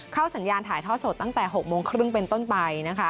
เข้าสัญญาณถ่ายทอดสดตั้งแต่๖โมงครึ่งเป็นต้นไป